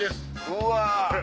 うわ。